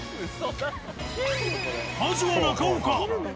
まずは中岡。